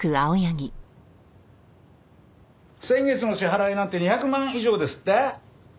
先月の支払いなんて２００万以上ですって？